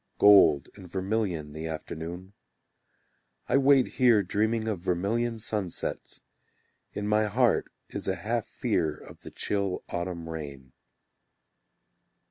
Gold and vermilion The afternoon. I wait here dreaming of vermilion sunsets: In my heart is a half fear of the chill autumn rain.